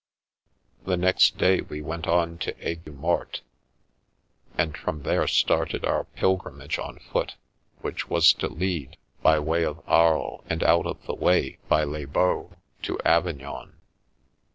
The next day we went on to Aigues Mortes, and from there started our pilgrimage on foot which was to lead, by way of Aries and out of the way by Les Baux, to Avignon.